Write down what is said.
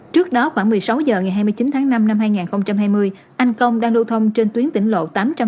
trước đó khoảng một mươi sáu h ngày hai mươi chín tháng năm năm hai nghìn hai mươi anh công đang lưu thông trên tuyến tỉnh lộ tám trăm năm mươi